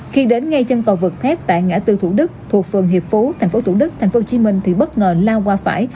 khi đến ngay chân cầu vượt thép tại ngã từ thủ đức thuộc phường hiệp phú thành phố thủ đức thành phố hồ chí minh thì bất ngờ lao qua phải